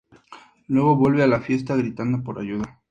Luego vuelve a la fiesta, gritando por ayuda.